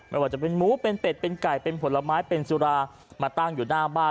ไม่ว่าจะเป็นหมูเป็นเป็ดเป็นไก่เป็นผลไม้เป็นสุรามาตั้งอยู่หน้าบ้าน